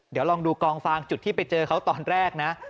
เดี๋ยวลองดูกองฟางจุดที่ไปเจอเขาตอนแรกนะ